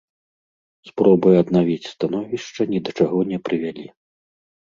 Спробы аднавіць становішча ні да чаго не прывялі.